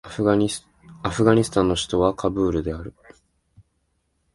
アフガニスタンの首都はカブールである